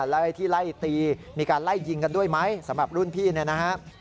ไล่ที่ไล่ตีมีการไล่ยิงกันด้วยไหมสำหรับรุ่นพี่เนี่ยนะฮะ